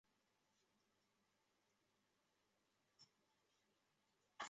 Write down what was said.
祥记冯祥建筑有限公司是一间香港前上市公司。